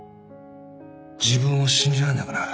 自分を信じられなくなる。